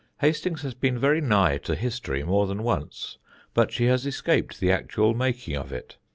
Hastings has been very nigh to history more than once, but she has escaped the actual making of it.